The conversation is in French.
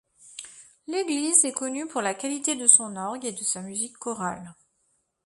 L'église est connue pour la qualité de son orgue et de sa musique chorale.